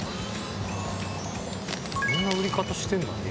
こんな売り方してるんだね